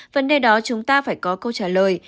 vấn đề đó chúng ta phải có câu trả lời